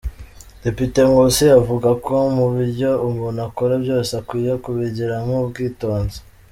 Depite Nkusi avuga ko mu byo umuntu akora byose akwiye kubigiramo ubwitonzi.